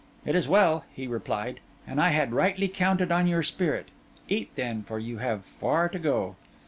'It is well,' he replied, 'and I had rightly counted on your spirit. Eat, then, for you have far to go.